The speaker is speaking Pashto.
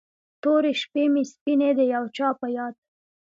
تورې شپې مې سپینې د یو چا په یاد